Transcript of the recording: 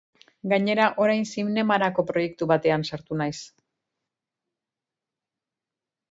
Gainera, orain zinemarako proiektu batean sartu naiz.